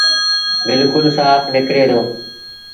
بلڪُل سآڦ نڪري دو۔